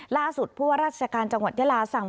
ล่าสุดเพราะว่ารัฐกาลจังหวัดญาลาสั่ง